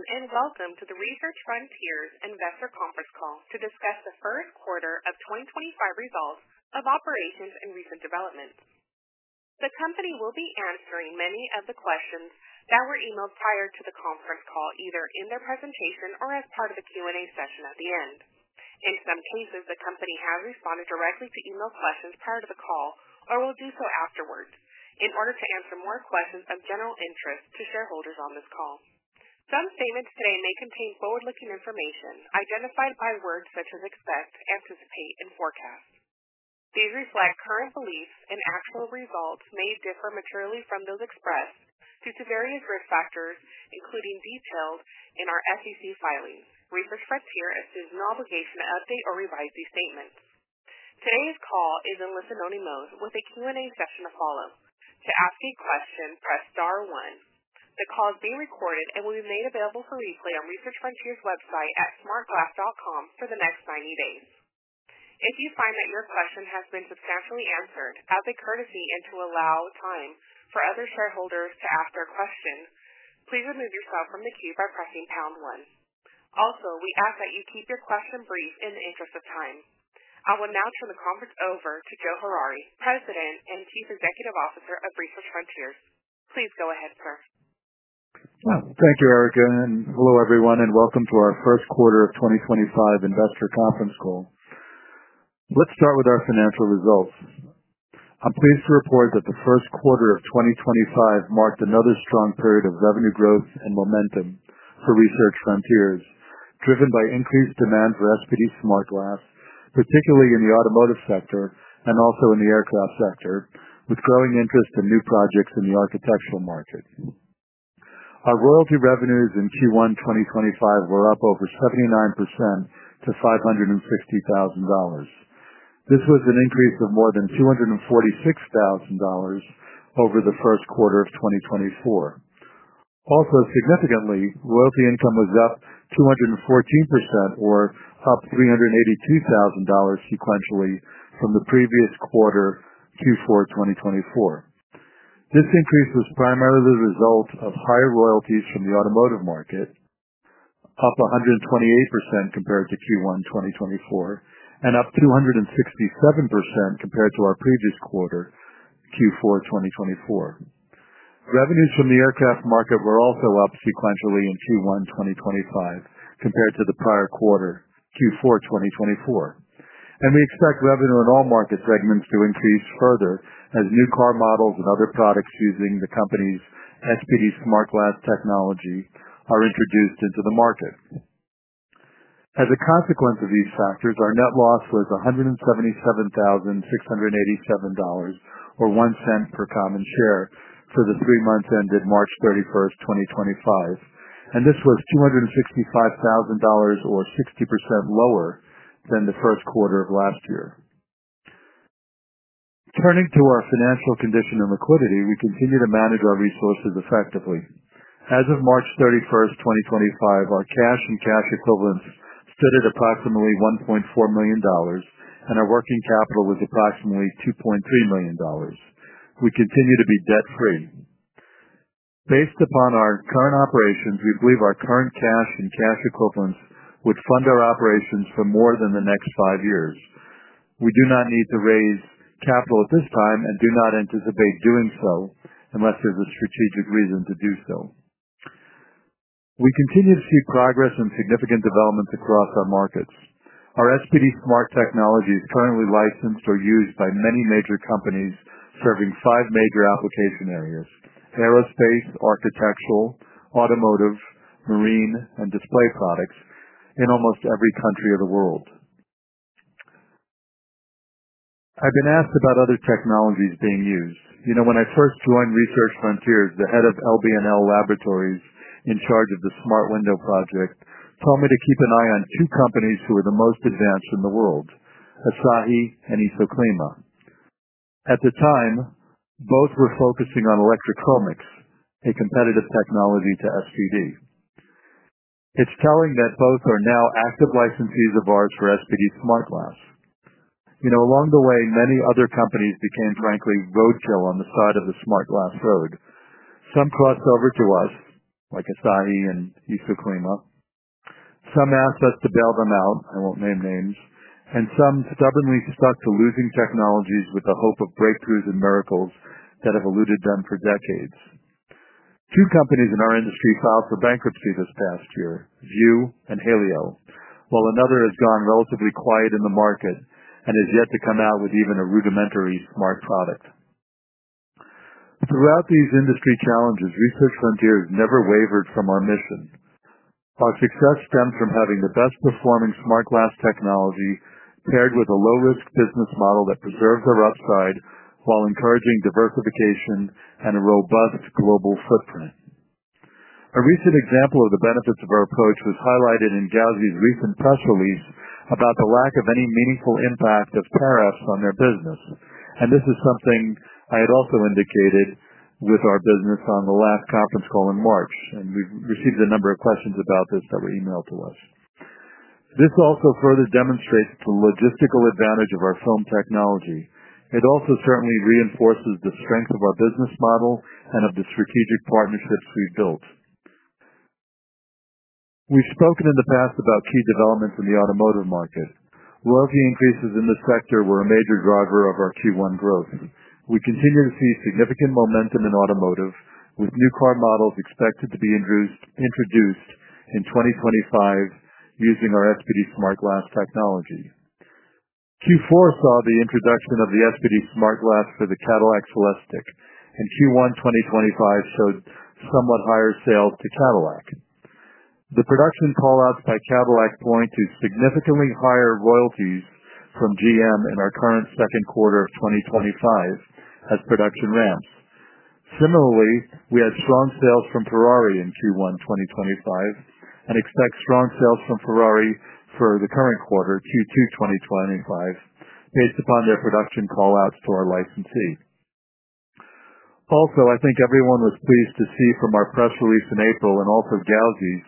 Hello and welcome to the Research Frontiers Investor Conference Call to discuss the first quarter of 2025 results of operations and recent developments. The company will be answering many of the questions that were emailed prior to the conference call, either in their presentation or as part of the Q&A session at the end. In some cases, the company has responded directly to email questions prior to the call or will do so afterwards in order to answer more questions of general interest to shareholders on this call. Some statements today may contain forward-looking information identified by words such as expect, anticipate, and forecast. These reflect current beliefs, and actual results may differ materially from those expressed due to various risk factors, including detailed in our SEC filings. Research Frontiers assumes no obligation to update or revise these statements. Today's call is in listen-only mode with a Q&A session to follow. To ask a question, press star one. The call is being recorded and will be made available for replay on Research Frontiers' website at smartglass.com for the next 90 days. If you find that your question has been substantially answered, as a courtesy and to allow time for other shareholders to ask their question, please remove yourself from the queue by pressing pound one. Also, we ask that you keep your question brief in the interest of time. I will now turn the conference over to Joe Harary, President and Chief Executive Officer of Research Frontiers. Please go ahead, sir. Thank you, Erica. Hello, everyone, and welcome to our first quarter of 2025 investor conference call. Let's start with our financial results. I'm pleased to report that the first quarter of 2025 marked another strong period of revenue growth and momentum for Research Frontiers, driven by increased demand for SPD-SmartGlass, particularly in the automotive sector and also in the aircraft sector, with growing interest in new projects in the architectural market. Our royalty revenues in Q1 2025 were up over 79% to $560,000. This was an increase of more than $246,000 over the first quarter of 2024. Also, significantly, royalty income was up 214%, or up $382,000 sequentially from the previous quarter, Q4 2024. This increase was primarily the result of higher royalties from the automotive market, up 128% compared to Q1 2024, and up 267% compared to our previous quarter, Q4 2024. Revenues from the aircraft market were also up sequentially in Q1 2025 compared to the prior quarter, Q4 2024. We expect revenue in all market segments to increase further as new car models and other products using the company's SPD-SmartGlass technology are introduced into the market. As a consequence of these factors, our net loss was $177,687, or $0.01 per common share, for the three months ended March 31, 2025. This was $265,000, or 60% lower than the first quarter of last year. Turning to our financial condition and liquidity, we continue to manage our resources effectively. As of March 31, 2025, our cash and cash equivalents stood at approximately $1.4 million, and our working capital was approximately $2.3 million. We continue to be debt-free. Based upon our current operations, we believe our current cash and cash equivalents would fund our operations for more than the next five years. We do not need to raise capital at this time and do not anticipate doing so unless there's a strategic reason to do so. We continue to see progress and significant developments across our markets. Our SPD smart technology is currently licensed or used by many major companies serving five major application areas: aerospace, architectural, automotive, marine, and display products in almost every country of the world. I've been asked about other technologies being used. You know, when I first joined Research Frontiers, the head of LBNL Laboratories in charge of the Smart Window project told me to keep an eye on two companies who were the most advanced in the world: Asahi and Isoclima. At the time, both were focusing on electric chromics, a competitive technology to SPD. It's telling that both are now active licensees of ours for SPD smart glass. You know, along the way, many other companies became, frankly, roadkill on the side of the smart glass road. Some crossed over to us, like Asahi and Isoclima. Some asked us to bail them out. I won't name names. Some stubbornly stuck to losing technologies with the hope of breakthroughs and miracles that have eluded them for decades. Two companies in our industry filed for bankruptcy this past year: Vue and Helio, while another has gone relatively quiet in the market and is yet to come out with even a rudimentary smart product. Throughout these industry challenges, Research Frontiers never wavered from our mission. Our success stems from having the best-performing smart glass technology paired with a low-risk business model that preserves our upside while encouraging diversification and a robust global footprint. A recent example of the benefits of our approach was highlighted in Gauzy's recent press release about the lack of any meaningful impact of tariffs on their business. This is something I had also indicated with our business on the last conference call in March. We have received a number of questions about this that were emailed to us. This also further demonstrates the logistical advantage of our film technology. It certainly reinforces the strength of our business model and of the strategic partnerships we have built. We have spoken in the past about key developments in the automotive market. Royalty increases in this sector were a major driver of our Q1 growth. We continue to see significant momentum in automotive, with new car models expected to be introduced in 2025 using our SPD-SmartGlass technology. Q4 saw the introduction of the SPD-SmartGlass for the Cadillac Celestiq, and Q1 2025 showed somewhat higher sales to Cadillac. The production callouts by Cadillac point to significantly higher royalties from General Motors in our current second quarter of 2025 as production ramps. Similarly, we had strong sales from Ferrari in Q1 2025 and expect strong sales from Ferrari for the current quarter, Q2 2025, based upon their production callouts to our licensee. Also, I think everyone was pleased to see from our press release in April and also Gauzy's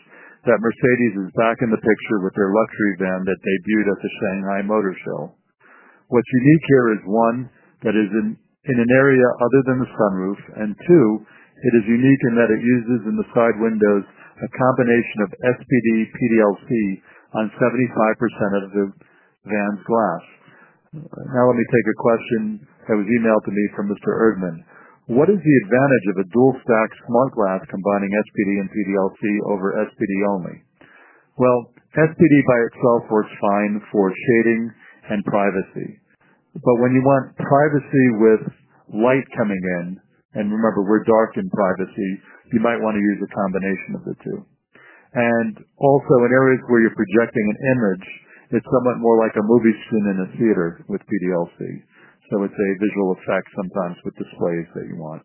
that Mercedes is back in the picture with their luxury van that debuted at the Shanghai Motor Show. What's unique here is, one, that it is in an area other than the sunroof, and two, it is unique in that it uses in the side windows a combination of SPD PDLC on 75% of the van's glass. Now, let me take a question that was emailed to me from Mr. Erdman. What is the advantage of a dual-stack smart glass combining SPD and PDLC over SPD only? SPD by itself works fine for shading and privacy. When you want privacy with light coming in, and remember, we're dark in privacy, you might want to use a combination of the two. Also, in areas where you're projecting an image, it's somewhat more like a movie scene in a theater with PDLC. It is a visual effect sometimes with displays that you want.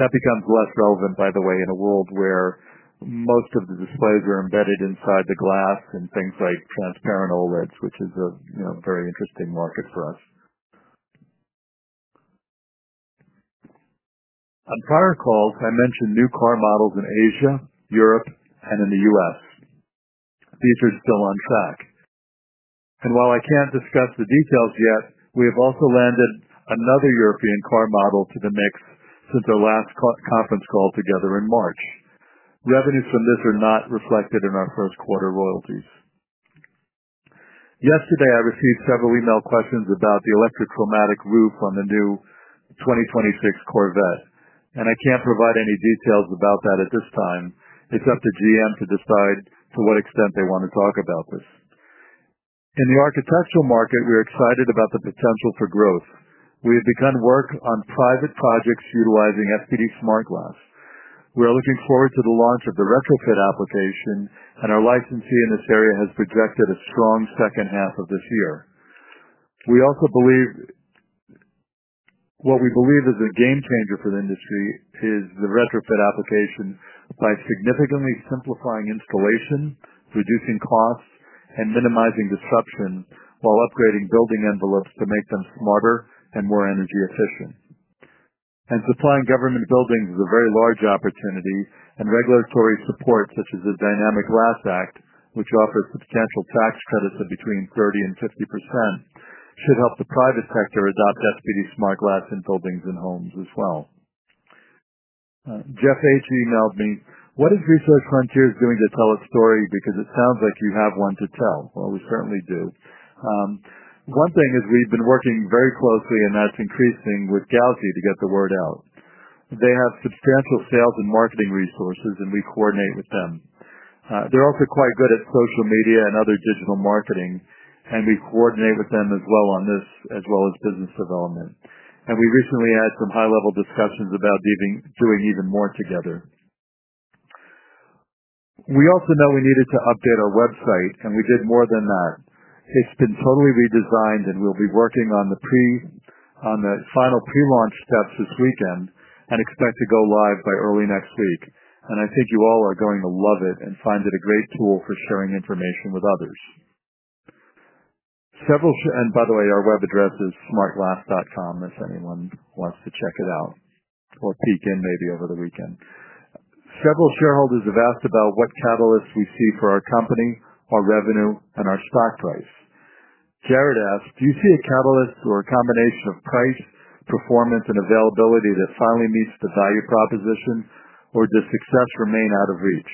That becomes less relevant, by the way, in a world where most of the displays are embedded inside the glass and things like transparent OLEDs, which is a very interesting market for us. On prior calls, I mentioned new car models in Asia, Europe, and in the U.S. These are still on track. While I can't discuss the details yet, we have also landed another European car model to the mix since our last conference call together in March. Revenues from this are not reflected in our first quarter royalties. Yesterday, I received several email questions about the electric chromatic roof on the new 2026 Corvette. I can't provide any details about that at this time. It's up to GM to decide to what extent they want to talk about this. In the architectural market, we're excited about the potential for growth. We have begun work on private projects utilizing SPD-SmartGlass. We are looking forward to the launch of the retrofit application, and our licensee in this area has projected a strong second half of this year. We also believe what we believe is a game changer for the industry is the retrofit application by significantly simplifying installation, reducing costs, and minimizing disruption while upgrading building envelopes to make them smarter and more energy efficient. Supplying government buildings is a very large opportunity, and regulatory support such as the Dynamic Glass Act, which offers substantial tax credits of between 30-50%, should help the private sector adopt SPD-SmartGlass in buildings and homes as well. Jeff H. emailed me, "What is Research Frontiers doing to tell a story? Because it sounds like you have one to tell." We certainly do. One thing is we've been working very closely, and that's increasing with Gauzy to get the word out. They have substantial sales and marketing resources, and we coordinate with them. They're also quite good at social media and other digital marketing, and we coordinate with them as well on this as well as business development. We recently had some high-level discussions about doing even more together. We also know we needed to update our website, and we did more than that. It's been totally redesigned, and we'll be working on the final pre-launch steps this weekend and expect to go live by early next week. I think you all are going to love it and find it a great tool for sharing information with others. Several share—and by the way, our web address is smartglass.com, if anyone wants to check it out or peek in maybe over the weekend. Several shareholders have asked about what catalysts we see for our company, our revenue, and our stock price. Jared asked, "Do you see a catalyst or a combination of price, performance, and availability that finally meets the value proposition, or does success remain out of reach?"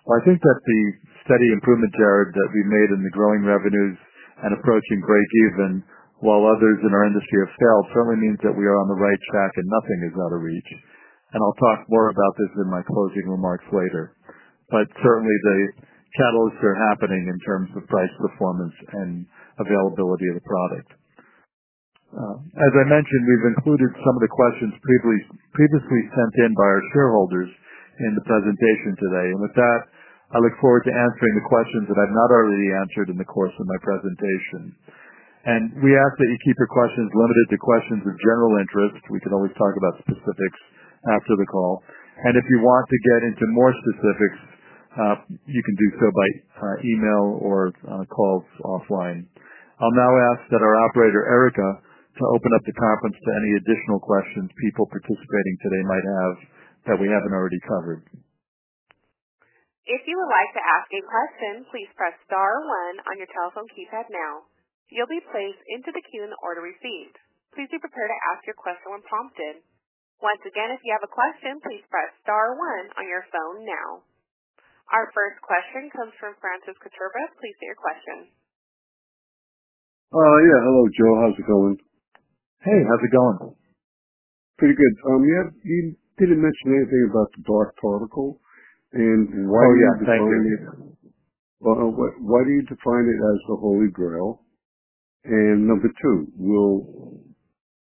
I think that the steady improvement, Jared, that we've made in the growing revenues and approaching breakeven, while others in our industry have failed, certainly means that we are on the right track and nothing is out of reach. I'll talk more about this in my closing remarks later. Certainly, the catalysts are happening in terms of price, performance, and availability of the product. As I mentioned, we've included some of the questions previously sent in by our shareholders in the presentation today. With that, I look forward to answering the questions that I've not already answered in the course of my presentation. We ask that you keep your questions limited to questions of general interest. We can always talk about specifics after the call. If you want to get into more specifics, you can do so by email or calls offline. I'll now ask our operator, Erica, to open up the conference to any additional questions people participating today might have that we haven't already covered. If you would like to ask a question, please press star one on your telephone keypad now. You'll be placed into the queue in order to receive. Please be prepared to ask your question when prompted. Once again, if you have a question, please press star one on your phone now. Our first question comes from Francis Cotturba. Please state your question. Yeah. Hello, Joe. How's it going? Hey, how's it going? Pretty good. You didn't mention anything about the Black Particle. Why do you define it? Oh, yeah. Thank you. Why do you define it as the Holy Grail? Number two,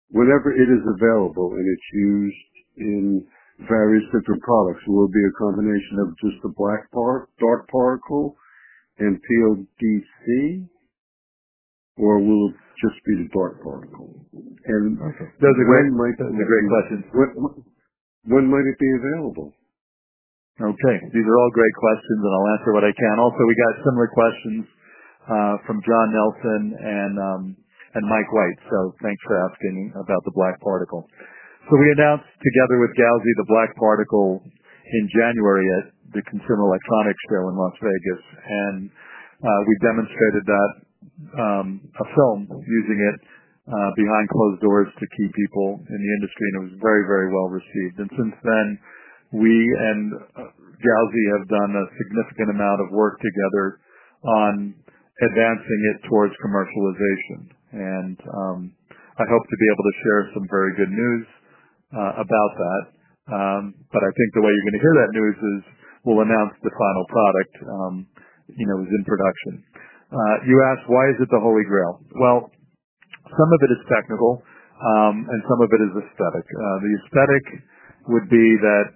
whenever it is available and it's used in various different products, will it be a combination of just the black dark particle and PDLC, or will it just be the dark particle? That's a great question. That's a great question. When might it be available? Okay. These are all great questions, and I'll answer what I can. Also, we got similar questions from John Nelson and Mike White. Thanks for asking about the Black Particle. We announced together with Gauzy the Black Particle in January at the Consumer Electronics Show in Las Vegas. We demonstrated a film using it behind closed doors to key people in the industry, and it was very, very well received. Since then, we and Gauzy have done a significant amount of work together on advancing it towards commercialization. I hope to be able to share some very good news about that. I think the way you're going to hear that news is we'll announce the final product is in production. You asked, "Why is it the Holy Grail?" Some of it is technical, and some of it is aesthetic. The aesthetic would be that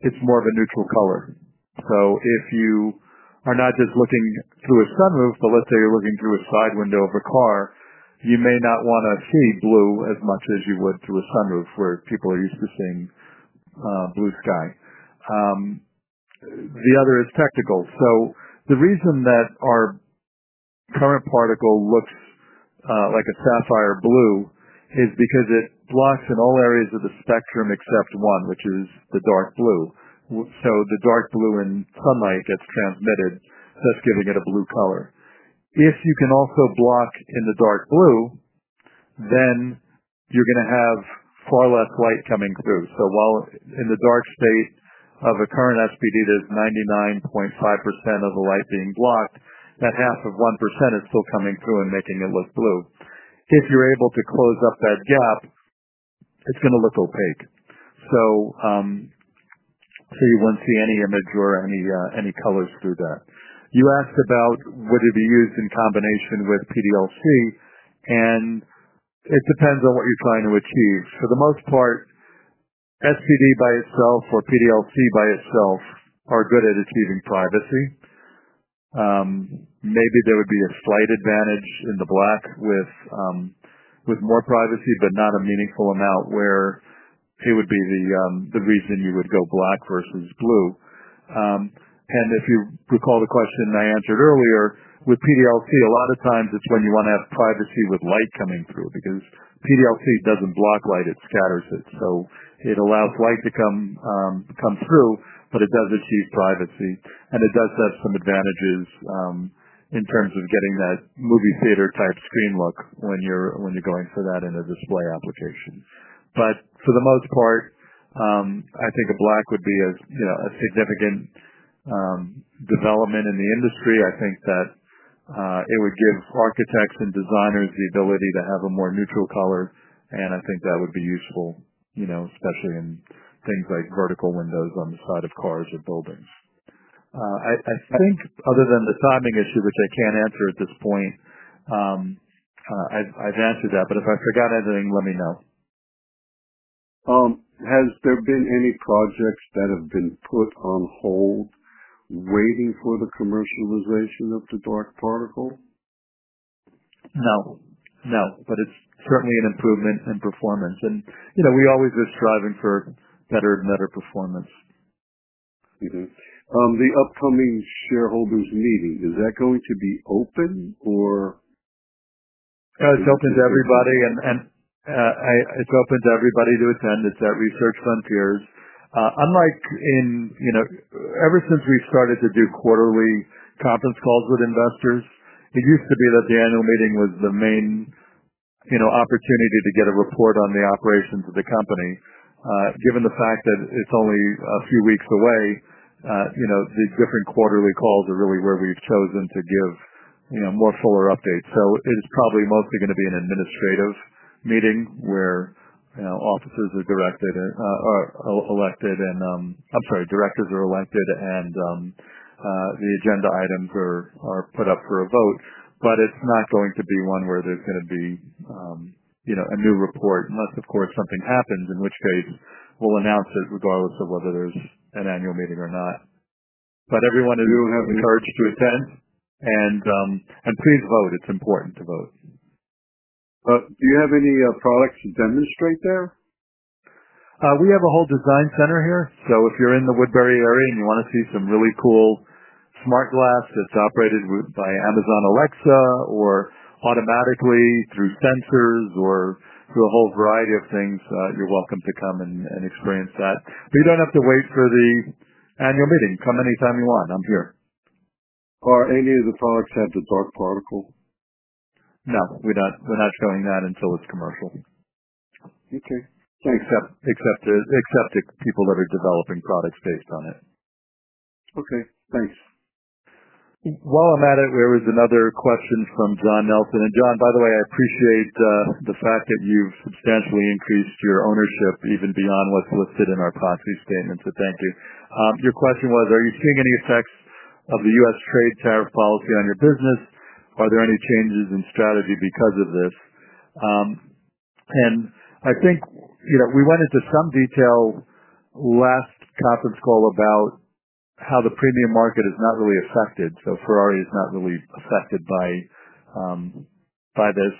it's more of a neutral color. If you are not just looking through a sunroof, but let's say you're looking through a side window of a car, you may not want to see blue as much as you would through a sunroof where people are used to seeing blue sky. The other is technical. The reason that our current particle looks like a sapphire blue is because it blocks in all areas of the spectrum except one, which is the dark blue. The dark blue in sunlight gets transmitted, thus giving it a blue color. If you can also block in the dark blue, then you're going to have far less light coming through. While in the dark state of a current SPD, there is 99.5% of the light being blocked. That half of 1% is still coming through and making it look blue. If you are able to close up that gap, it is going to look opaque. You will not see any image or any colors through that. You asked about would it be used in combination with PDLC, and it depends on what you are trying to achieve. For the most part, SPD by itself or PDLC by itself are good at achieving privacy. Maybe there would be a slight advantage in the black with more privacy, but not a meaningful amount where it would be the reason you would go black versus blue. If you recall the question I answered earlier, with PDLC, a lot of times it's when you want to have privacy with light coming through because PDLC doesn't block light. It scatters it. It allows light to come through, but it does achieve privacy. It does have some advantages in terms of getting that movie theater-type screen look when you're going for that in a display application. For the most part, I think a black would be a significant development in the industry. I think that it would give architects and designers the ability to have a more neutral color. I think that would be useful, especially in things like vertical windows on the side of cars or buildings. Other than the timing issue, which I can't answer at this point, I've answered that. If I forgot anything, let me know. Has there been any projects that have been put on hold waiting for the commercialization of the dark particle? No. No. It is certainly an improvement in performance. We always are striving for better and better performance. The upcoming shareholders' meeting, is that going to be open or? It's open to everybody. It's open to everybody to attend. It's at Research Frontiers. Unlike in ever since we've started to do quarterly conference calls with investors, it used to be that the annual meeting was the main opportunity to get a report on the operations of the company. Given the fact that it's only a few weeks away, the different quarterly calls are really where we've chosen to give more fuller updates. It is probably mostly going to be an administrative meeting where officers are elected, and I'm sorry, directors are elected, and the agenda items are put up for a vote. It's not going to be one where there's going to be a new report unless, of course, something happens, in which case we'll announce it regardless of whether there's an annual meeting or not. Everyone is encouraged to attend. Please vote. It's important to vote. Do you have any products to demonstrate there? We have a whole design center here. If you're in the Woodbury area and you want to see some really cool smart glass that's operated by Amazon Alexa or automatically through sensors or through a whole variety of things, you're welcome to come and experience that. You don't have to wait for the annual meeting. Come anytime you want. I'm here. Are any of the products have the Black Particle? No. We're not showing that until it's commercial. Okay. Except the people that are developing products based on it. Okay. Thanks. While I'm at it, there was another question from John Nelson. And John, by the way, I appreciate the fact that you've substantially increased your ownership even beyond what's listed in our proxy statements. So thank you. Your question was, are you seeing any effects of the U.S. trade tariff policy on your business? Are there any changes in strategy because of this? I think we went into some detail last conference call about how the premium market is not really affected. Ferrari is not really affected by this.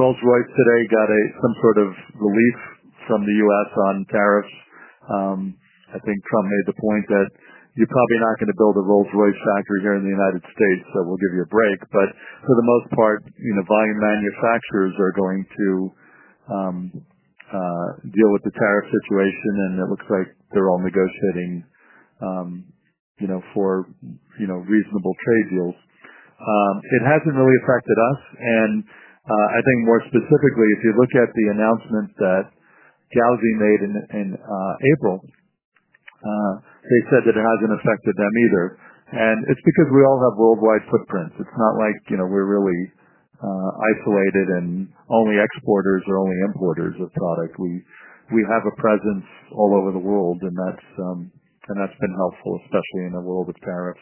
Rolls-Royce today got some sort of relief from the U.S. on tariffs. I think Trump made the point that you're probably not going to build a Rolls-Royce factory here in the United States, so we'll give you a break. For the most part, volume manufacturers are going to deal with the tariff situation, and it looks like they're all negotiating for reasonable trade deals. It hasn't really affected us. I think more specifically, if you look at the announcement that Gauzy made in April, they said that it hasn't affected them either. It's because we all have worldwide footprints. It's not like we're really isolated and only exporters or only importers of product. We have a presence all over the world, and that's been helpful, especially in a world of tariffs.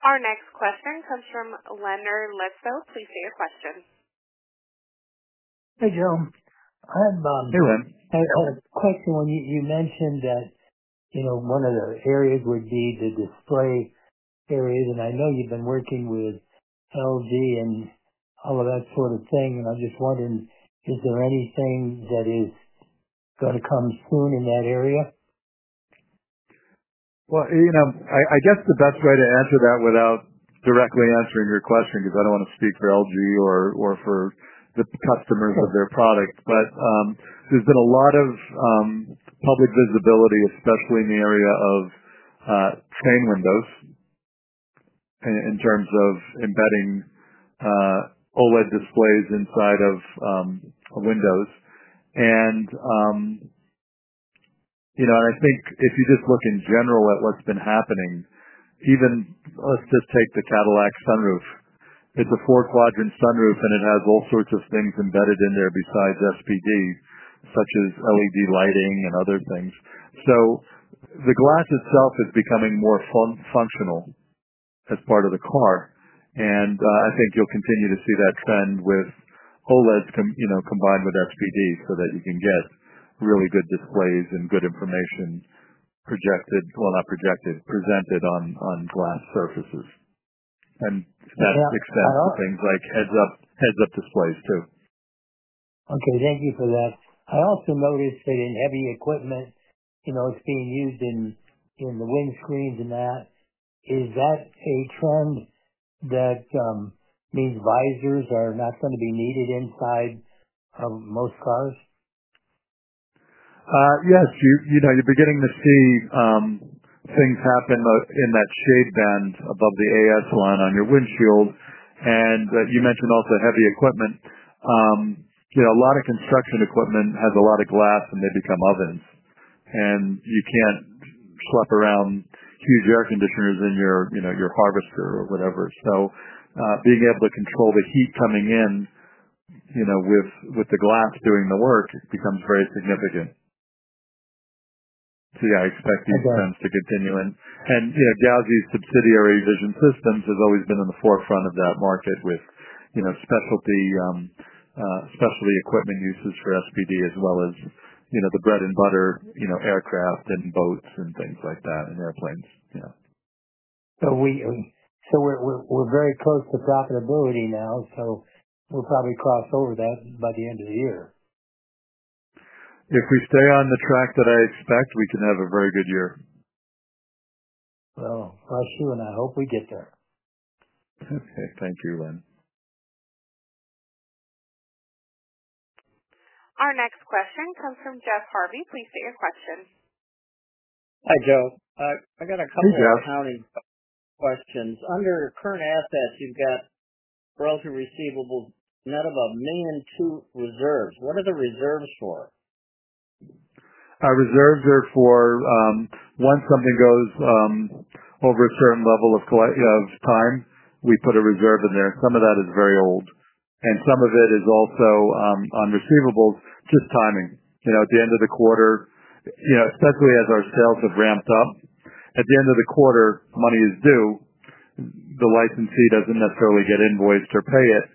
Our next question comes from Leonard Lizzo. Please state your question. Hey, Joe. Hey, Lynn. Hey, I had a question when you mentioned that one of the areas would be the display areas. I know you've been working with LG and all of that sort of thing. I'm just wondering, is there anything that is going to come soon in that area? I guess the best way to answer that without directly answering your question because I don't want to speak for LG or for the customers of their product. There's been a lot of public visibility, especially in the area of train windows in terms of embedding OLED displays inside of windows. I think if you just look in general at what's been happening, even let's just take the Cadillac sunroof. It's a four-quadrant sunroof, and it has all sorts of things embedded in there besides SPD, such as LED lighting and other things. The glass itself is becoming more functional as part of the car. I think you'll continue to see that trend with OLEDs combined with SPD so that you can get really good displays and good information presented on glass surfaces. That extends to things like heads-up displays too. Okay. Thank you for that. I also noticed that in heavy equipment, it's being used in the windscreens and that. Is that a trend that means visors are not going to be needed inside of most cars? Yes. You're beginning to see things happen in that shade band above the AS line on your windshield. You mentioned also heavy equipment. A lot of construction equipment has a lot of glass, and they become ovens. You can't schlep around huge air conditioners in your harvester or whatever. Being able to control the heat coming in with the glass doing the work becomes very significant. Yeah, I expect these trends to continue. Gauzy's subsidiary Vision Systems has always been in the forefront of that market with specialty equipment uses for SPD as well as the bread-and-butter aircraft and boats and things like that and airplanes. We're very close to profitability now, so we'll probably cross over that by the end of the year. If we stay on the track that I expect, we can have a very good year. Bless you, and I hope we get there. Okay. Thank you, Lynn. Our next question comes from Jeff Harvey. Please state your question. Hi, Joe. I got a couple of accounting questions. Under current assets, you've got royalty receivable net of a $1.2 million reserves. What are the reserves for? Reserves are for once something goes over a certain level of time, we put a reserve in there. Some of that is very old. Some of it is also on receivables, just timing. At the end of the quarter, especially as our sales have ramped up, at the end of the quarter, money is due. The licensee does not necessarily get invoiced or pay it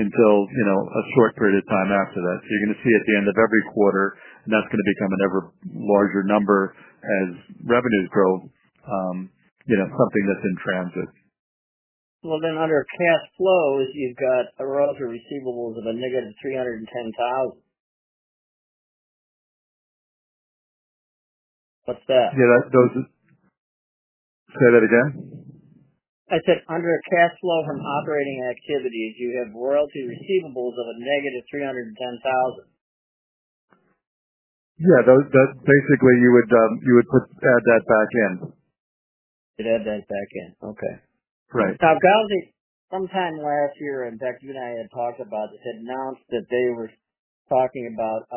until a short period of time after that. You are going to see at the end of every quarter, and that is going to become an ever larger number as revenues grow, something that is in transit. Under cash flows, you've got a royalty receivable of a negative $310,000. What's that? Yeah. Say that again. I said under cash flow from operating activities, you have royalty receivables of a negative $310,000. Yeah. Basically, you would add that back in. You'd add that back in. Okay. Right. Now, Gauzy, sometime last year, in fact, you and I had talked about this, announced that they were talking about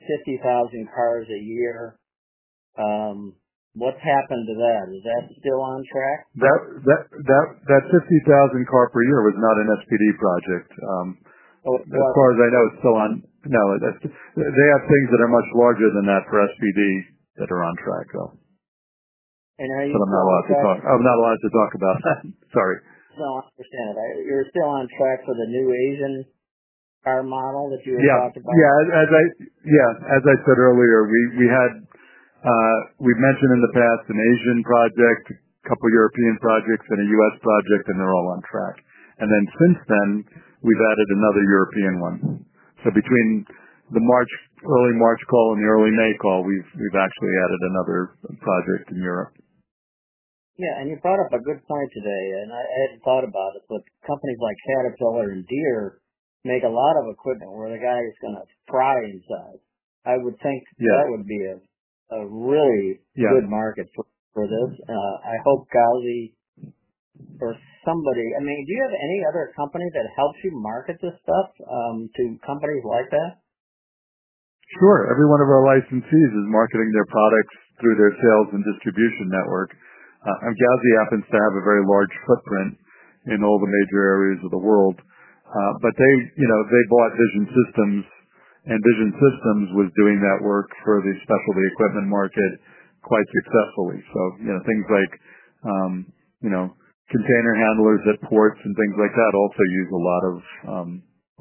50,000 cars a year. What's happened to that? Is that still on track? That 50,000 car per year was not an SPD project. As far as I know, it's still on no. They have things that are much larger than that for SPD that are on track, though. Are you still? I'm not allowed to talk about that. Sorry. No, I understand. You're still on track for the new Asian car model that you were talking about? Yeah. Yeah. As I said earlier, we've mentioned in the past an Asian project, a couple of European projects, and a U.S. project, and they're all on track. Since then, we've added another European one. Between the early March call and the early May call, we've actually added another project in Europe. Yeah. You brought up a good point today. I hadn't thought about it, but companies like Caterpillar and Deere make a lot of equipment where the guy is going to pry inside. I would think that would be a really good market for this. I hope Gauzy or somebody, I mean, do you have any other company that helps you market this stuff to companies like that? Sure. Every one of our licensees is marketing their products through their sales and distribution network. Gauzy happens to have a very large footprint in all the major areas of the world. They bought Vision Systems, and Vision Systems was doing that work for the specialty equipment market quite successfully. Things like container handlers at ports and things like that also use a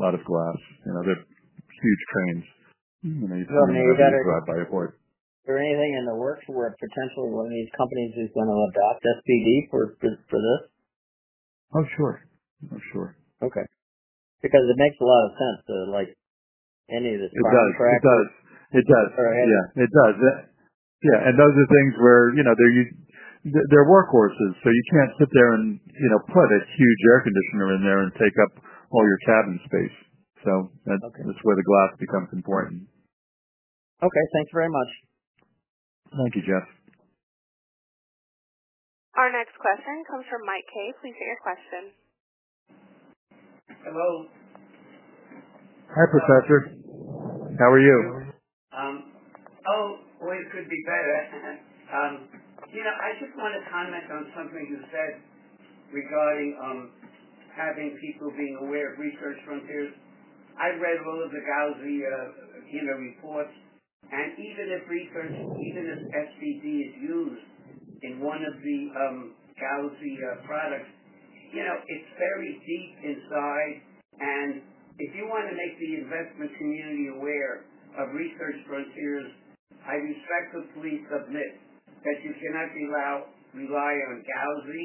lot of glass. They're huge cranes. You can't even get them to drive by a port. Is there anything in the works where potentially one of these companies is going to adopt SPD for this? Oh, sure. Oh, sure. Okay. Because it makes a lot of sense to any of this private tractor. It does. Yeah. It does. Yeah. And those are things where they're workhorses. You can't sit there and put a huge air conditioner in there and take up all your cabin space. That's where the glass becomes important. Okay. Thank you very much. Thank you, Jeff. Our next question comes from Mike Kay. Please state your question. Hello. Hi, Professor. How are you? Oh, boy, it could be better. I just want to comment on something you said regarding having people being aware of Research Frontiers. I read all of the Gauzy reports. And even if SPD is used in one of the Gauzy products, it's buried deep inside. If you want to make the investment community aware of Research Frontiers, I respectfully submit that you cannot rely on Gauzy.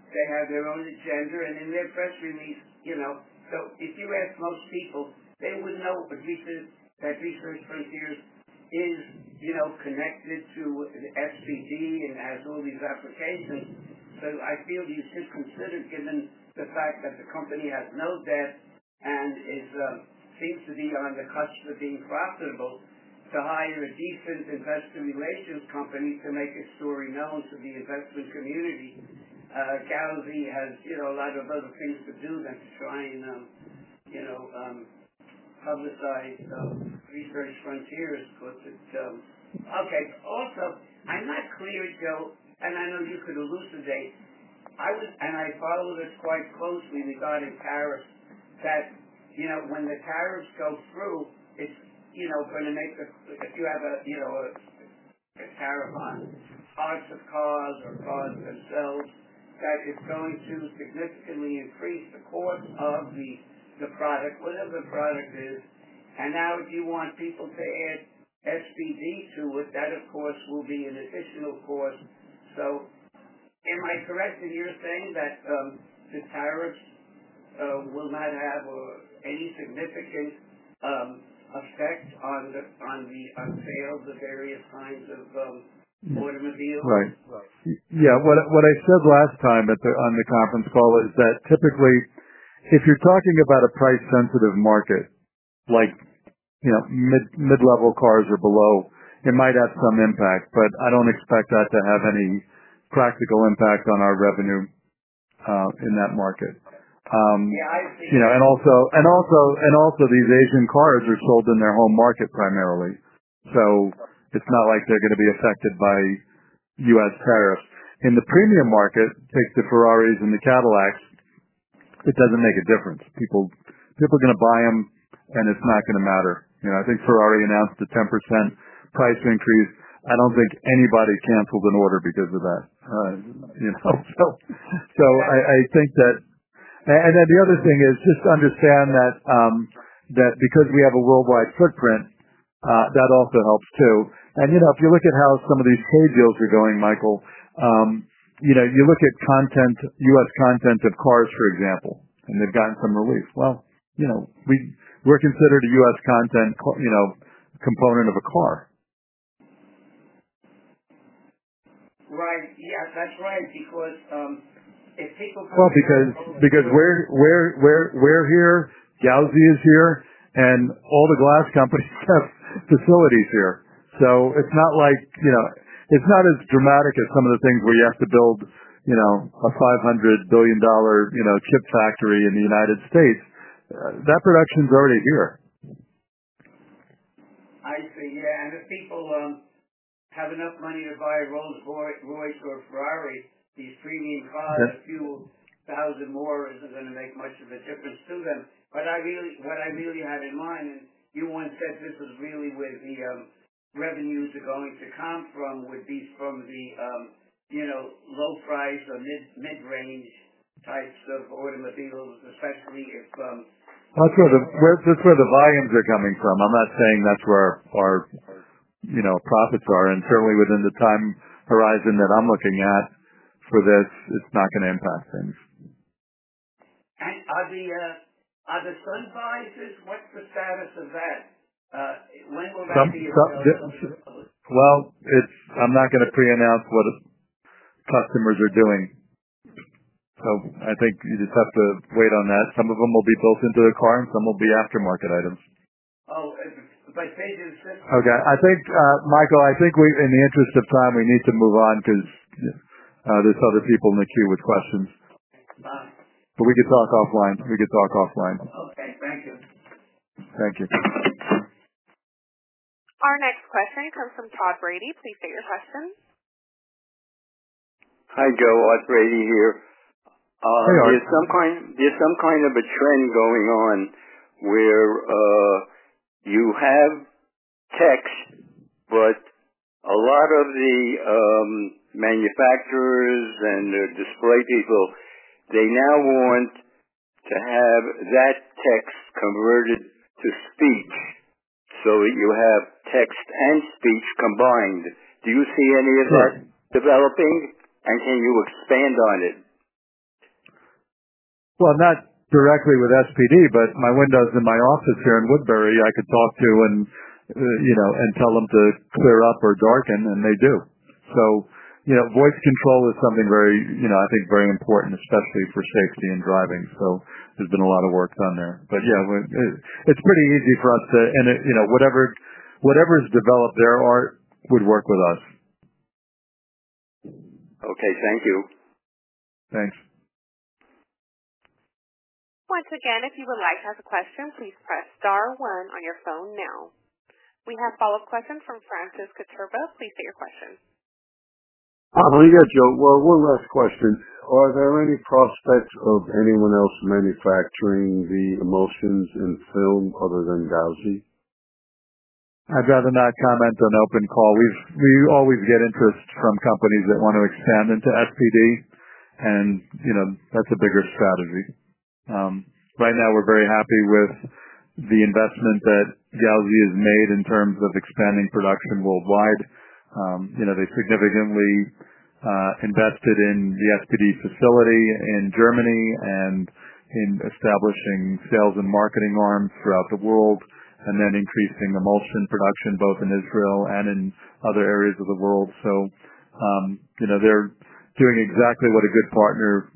They have their own agenda, and in their press release. If you ask most people, they would not know that Research Frontiers is connected to SPD and has all these applications. I feel you should consider, given the fact that the company has no debt and seems to be on the cusp of being profitable, to hire a decent investor relations company to make its story known to the investment community. Gauzy has a lot of other things to do than to try and publicize Research Frontiers. Okay. Also, I'm not clear, Joe, and I know you could elucidate. And I follow this quite closely regarding tariffs, that when the tariffs go through, it's going to make the if you have a tariff on parts of cars or cars themselves, that it's going to significantly increase the cost of the product, whatever the product is. Now, if you want people to add SPD to it, that, of course, will be an additional cost. Am I correct in your saying that the tariffs will not have any significant effect on the sales of various kinds of automobiles? Right. Yeah. What I said last time on the conference call is that typically, if you're talking about a price-sensitive market, like mid-level cars or below, it might have some impact. I don't expect that to have any practical impact on our revenue in that market. Also, these Asian cars are sold in their home market primarily. It's not like they're going to be affected by U.S. tariffs. In the premium market, take the Ferraris and the Cadillacs. It doesn't make a difference. People are going to buy them, and it's not going to matter. I think Ferrari announced a 10% price increase. I don't think anybody canceled an order because of that. I think that and then the other thing is just to understand that because we have a worldwide footprint, that also helps too. If you look at how some of these trade deals are going, Michael, you look at US content of cars, for example, and they've gotten some relief. We are considered a US content component of a car. Right. Yes, that's right. Because if people come to. Because we're here, Gauzy is here, and all the glass companies have facilities here. So it's not like it's not as dramatic as some of the things where you have to build a $500 billion chip factory in the United States. That production's already here. I see. Yeah. If people have enough money to buy a Rolls-Royce or a Ferrari, these premium cars, a few thousand more isn't going to make much of a difference to them. What I really had in mind, and you once said this is really where the revenues are going to come from, would be from the low-priced or mid-range types of automobiles, especially if. It is where the volumes are coming from. I'm not saying that's where our profits are. And certainly, within the time horizon that I'm looking at for this, it's not going to impact things. Are the sun visors, what's the status of that? When will that be available? I'm not going to pre-announce what customers are doing. I think you just have to wait on that. Some of them will be built into the car, and some will be aftermarket items. Oh, if it's by Sage & System. Okay. Michael, I think in the interest of time, we need to move on because there's other people in the queue with questions. But we can talk offline. We can talk offline. Okay. Thank you. Thank you. Our next question comes from Todd Brady. Please state your question. Hi, Joe. Art Brady here. There's some kind of a trend going on where you have text, but a lot of the manufacturers and the display people, they now want to have that text converted to speech so that you have text and speech combined. Do you see any of that developing, and can you expand on it? Not directly with SPD, but my windows in my office here in Woodbury, I could talk to and tell them to clear up or darken, and they do. Voice control is something I think very important, especially for safety and driving. There has been a lot of work done there. Yeah, it's pretty easy for us to, and whatever is developed there, Art would work with us. Okay. Thank you. Thanks. Once again, if you would like to ask a question, please press star one on your phone now. We have follow-up questions from Francis Cotturba. Please state your question. I believe you have, Joe. One last question. Are there any prospects of anyone else manufacturing the emulsions and film other than Gauzy? I'd rather not comment on open call. We always get interest from companies that want to expand into SPD, and that's a bigger strategy. Right now, we're very happy with the investment that Gauzy has made in terms of expanding production worldwide. They've significantly invested in the SPD facility in Germany and in establishing sales and marketing arms throughout the world, and then increasing emulsion production both in Israel and in other areas of the world. They are doing exactly what a good partner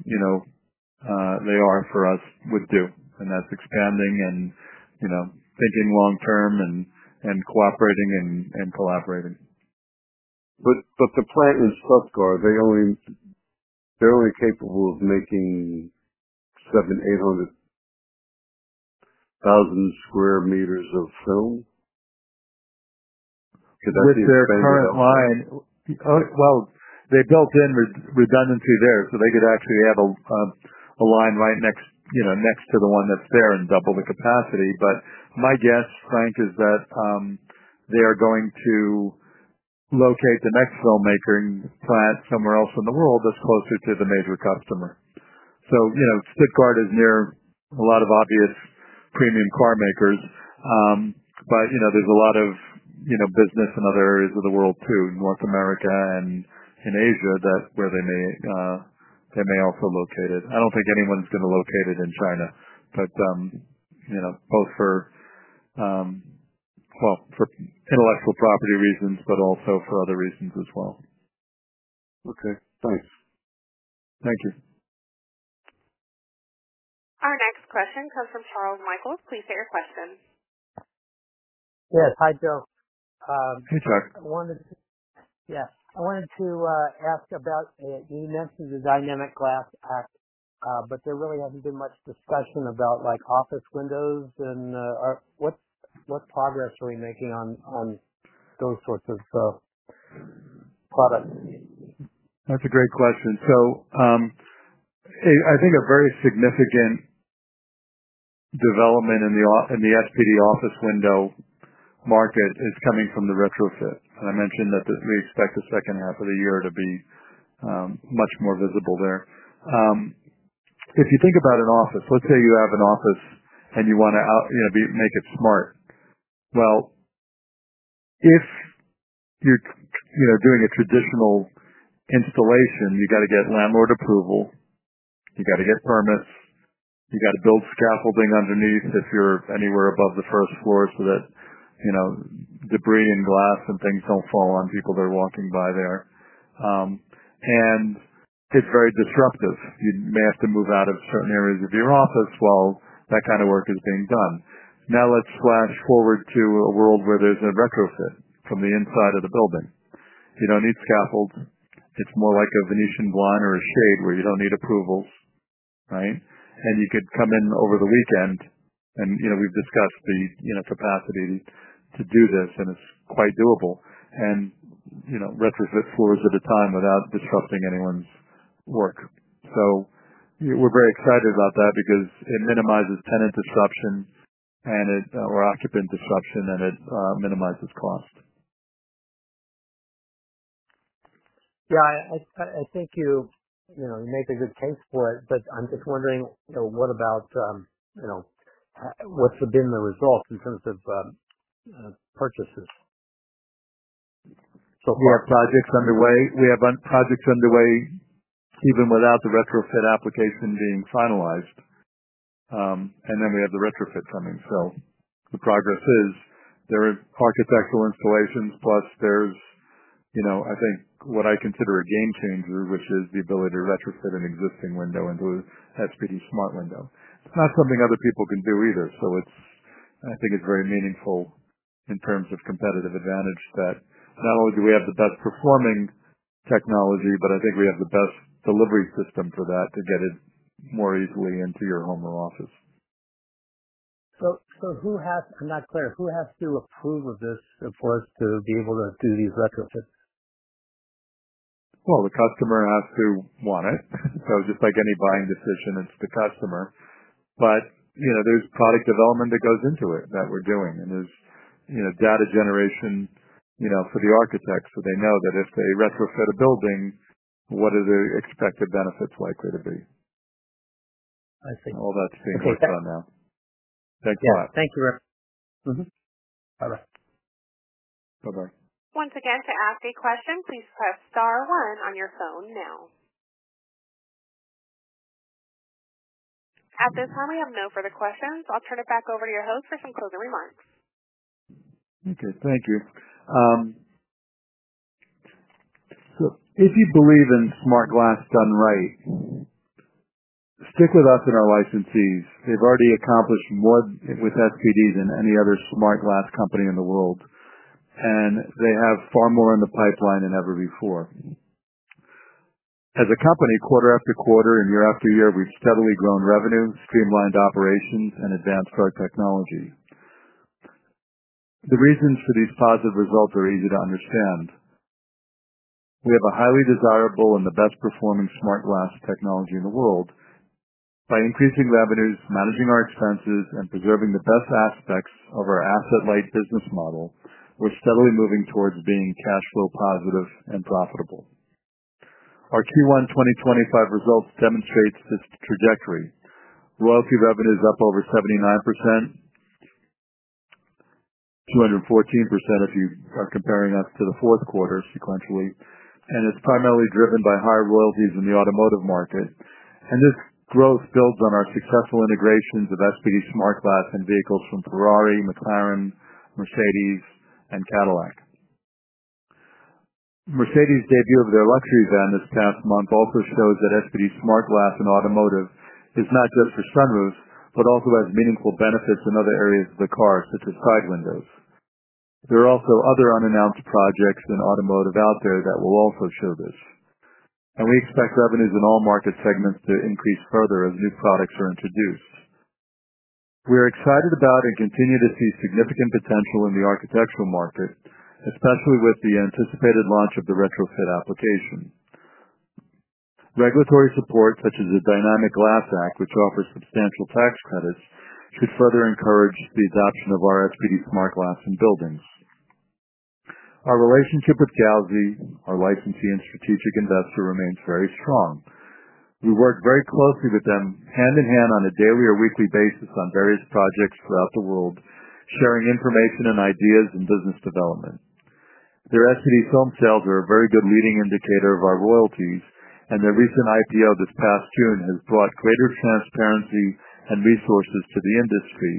they are for us would do. That's expanding and thinking long-term and cooperating and collaborating. But the plant in Sittard, they're only capable of making 7,800,000 square meters of film? With their current line, they built in redundancy there, so they could actually have a line right next to the one that's there and double the capacity. My guess, Frank, is that they are going to locate the next filmmaking plant somewhere else in the world that's closer to the major customer. Sitard is near a lot of obvious premium car makers. There is a lot of business in other areas of the world too, in North America and in Asia, where they may also locate it. I don't think anyone's going to locate it in China, for intellectual property reasons, but also for other reasons as well. Okay. Thanks. Thank you. Our next question comes from Charles Michael. Please state your question. Yes. Hi, Joe. Hey, Jack. Yeah. I wanted to ask about you mentioned the Dynamic Glass Act, but there really hasn't been much discussion about office windows. What progress are we making on those sorts of products? That's a great question. I think a very significant development in the SPD office window market is coming from the retrofit. I mentioned that we expect the second half of the year to be much more visible there. If you think about an office, let's say you have an office and you want to make it smart. If you're doing a traditional installation, you got to get landlord approval. You got to get permits. You got to build scaffolding underneath if you're anywhere above the first floor so that debris and glass and things do not fall on people that are walking by there. It is very disruptive. You may have to move out of certain areas of your office while that kind of work is being done. Now, let's flash forward to a world where there's a retrofit from the inside of the building. You don't need scaffolds. It's more like a Venetian blind or a shade where you don't need approvals, right? You could come in over the weekend. We've discussed the capacity to do this, and it's quite doable. You can retrofit floors at a time without disrupting anyone's work. We are very excited about that because it minimizes tenant disruption or occupant disruption, and it minimizes cost. Yeah. I think you make a good case for it, but I'm just wondering, what about what's been the results in terms of purchases so far? We have projects underway. We have projects underway even without the retrofit application being finalized. There is the retrofit coming. The progress is there are architectural installations, plus there is, I think, what I consider a game changer, which is the ability to retrofit an existing window into an SPD smart window. It is not something other people can do either. I think it is very meaningful in terms of competitive advantage that not only do we have the best performing technology, but I think we have the best delivery system for that to get it more easily into your home or office. I'm not clear. Who has to approve of this for us to be able to do these retrofits? The customer has to want it. Just like any buying decision, it's the customer. There's product development that goes into it that we're doing. There's data generation for the architects so they know that if they retrofit a building, what are the expected benefits likely to be? I see. All that's being worked on now. Thanks a lot. Yeah. Thank you, Rick. Bye-bye. Bye-bye. Once again, to ask a question, please press star one on your phone now. At this time, we have no further questions. I'll turn it back over to your host for some closing remarks. Okay. Thank you. If you believe in smart glass done right, stick with us and our licensees. They have already accomplished more with SPD than any other smart glass company in the world. They have far more in the pipeline than ever before. As a company, quarter after quarter and year after year, we have steadily grown revenue, streamlined operations, and advanced our technology. The reasons for these positive results are easy to understand. We have a highly desirable and the best performing smart glass technology in the world. By increasing revenues, managing our expenses, and preserving the best aspects of our asset-light business model, we are steadily moving towards being cash flow positive and profitable. Our Q1 2025 results demonstrate this trajectory. Royalty revenues are up over 79%, 214% if you are comparing us to the fourth quarter sequentially. It is primarily driven by higher royalties in the automotive market. This growth builds on our successful integrations of SPD-SmartGlass in vehicles from Ferrari, McLaren, Mercedes, and Cadillac. Mercedes' debut of their luxury van this past month also shows that SPD-SmartGlass in automotive is not just for sunroofs, but also has meaningful benefits in other areas of the car, such as side windows. There are also other unannounced projects in automotive out there that will also show this. We expect revenues in all market segments to increase further as new products are introduced. We're excited about and continue to see significant potential in the architectural market, especially with the anticipated launch of the retrofit application. Regulatory support, such as the Dynamic Glass Act, which offers substantial tax credits, should further encourage the adoption of our SPD-SmartGlass in buildings. Our relationship with Gauzy, our licensee and strategic investor, remains very strong. We work very closely with them, hand in hand on a daily or weekly basis on various projects throughout the world, sharing information and ideas in business development. Their SPD film sales are a very good leading indicator of our royalties, and their recent IPO this past June has brought greater transparency and resources to the industry,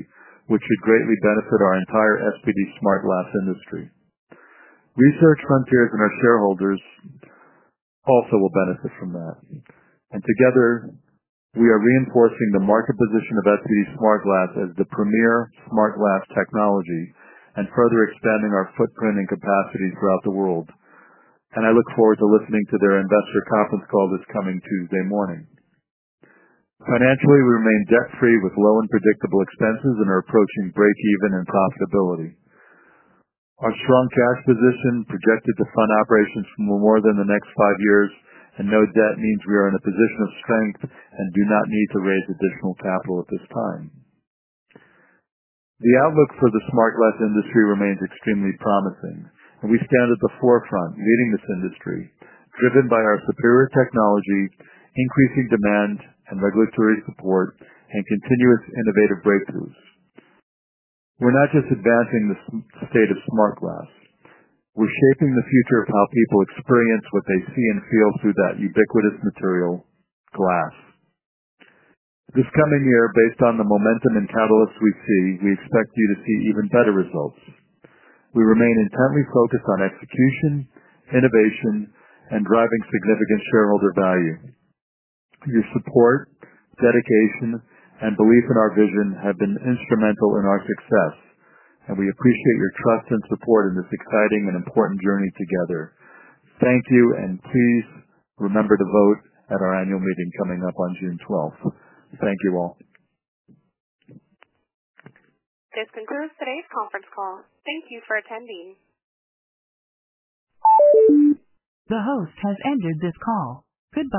which should greatly benefit our entire SPD-SmartGlass industry. Research Frontiers and our shareholders also will benefit from that. Together, we are reinforcing the market position of SPD-SmartGlass as the premier smart glass technology and further expanding our footprint and capacity throughout the world. I look forward to listening to their investor conference call this coming Tuesday morning. Financially, we remain debt-free with low and predictable expenses and are approaching break-even in profitability. Our strong cash position projected to fund operations for more than the next five years, and no debt means we are in a position of strength and do not need to raise additional capital at this time. The outlook for the smart glass industry remains extremely promising, and we stand at the forefront, leading this industry, driven by our superior technology, increasing demand and regulatory support, and continuous innovative breakthroughs. We're not just advancing the state of smart glass. We're shaping the future of how people experience what they see and feel through that ubiquitous material, glass. This coming year, based on the momentum and catalysts we see, we expect you to see even better results. We remain intently focused on execution, innovation, and driving significant shareholder value. Your support, dedication, and belief in our vision have been instrumental in our success, and we appreciate your trust and support in this exciting and important journey together. Thank you, and please remember to vote at our annual meeting coming up on June 12th. Thank you all. This concludes today's conference call. Thank you for attending. The host has ended this call. Goodbye.